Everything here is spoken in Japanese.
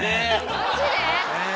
マジで？